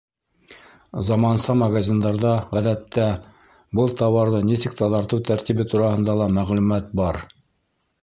Заманса магазиндарҙа, ғәҙәттә, был тауарҙы нисек таҙартыу тәртибе тураһында ла мәғлүмәт бар.